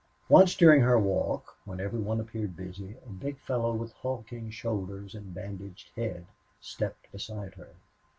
Once during her walk, when every one appeared busy, a big fellow with hulking shoulders and bandaged head stepped beside her.